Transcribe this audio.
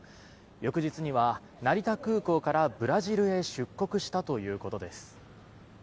翌日には成田空港からブラジルへ出国したということです。